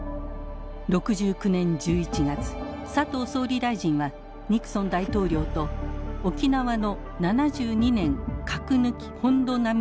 ６９年１１月佐藤総理大臣はニクソン大統領と沖縄の「７２年・核抜き・本土並み」